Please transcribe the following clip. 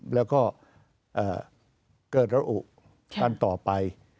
แล้วก็เกิดระอุอันต่อไป